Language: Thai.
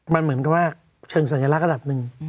มันเหมือนกับว่าเชิงสัญลักษณ์ระดับหนึ่ง